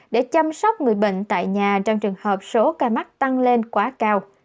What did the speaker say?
để chăm sóc người bệnh tại nhà trong trường hợp số ca mắc tăng lên quá cao